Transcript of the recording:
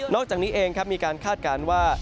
อกจากนี้เองครับมีการคาดการณ์ว่า